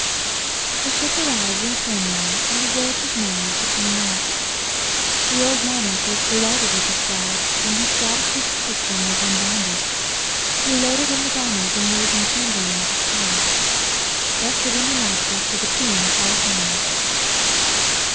The ship arrived in Cornwall, and Isoude was married to King Mark, The old monarch was delighted with his bride, and his gratitude to Tristram was unbounded. He loaded him with honors, and made him chamberlain of his palace, thus giving him access to the queen at all times.